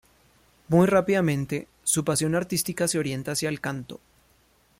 Muy rápidamente, su pasión artística se orienta hacia el canto.